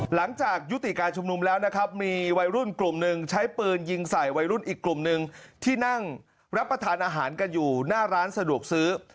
หลังจากยุติการชุมนุมแล้วนะครับมีวัยรุ่นกลุ่มหนึ่งใช้ปืนยิงใส่วัยรุ่นอีกกลุ่มหนึ่งที่นั่งรับประทานอาหารกันอยู่หน้าร้านสะดวกซื้อ